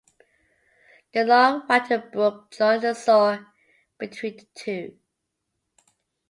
The Long Whatton Brook joins the Soar between the two.